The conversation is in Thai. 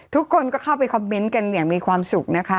ทุกคนก็เข้าไปคอมเมนต์กันอย่างมีความสุขนะคะ